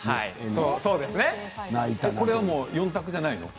これは４択じゃないの？